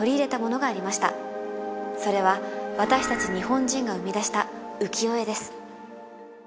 それは私たち日本人が生み出した浮世絵です